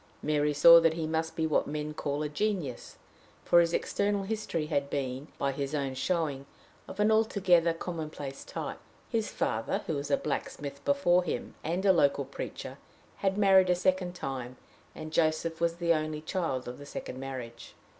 Mary saw that he must be what men call a genius, for his external history had been, by his own showing, of an altogether commonplace type. His father, who was a blacksmith before him, and a local preacher, had married a second time, and Joseph was the only child of the second marriage.